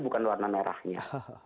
bukan warna merahnya